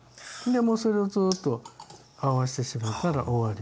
もうそれをずっと合わしてしまったら終わりなんですね。